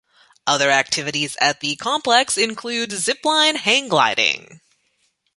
Other activities at the complex include zip-line hang gliding.